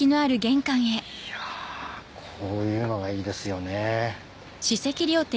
いやこういうのがいいですよね。